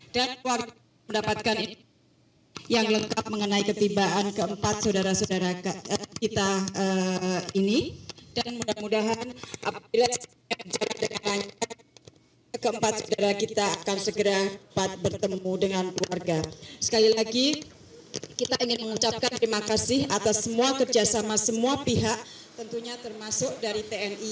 dan keluarga mendapatkan informasi yang lengkap mengenai ketibaan